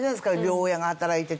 両親が働いてて。